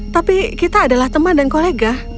tapi kita adalah teman dan kolega